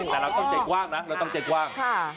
แต่เราต้องใจกว้างนะเราต้องใจกว้าง